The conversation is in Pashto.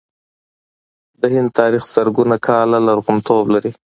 د هند تاریخ زرګونه کاله لرغونتوب لري.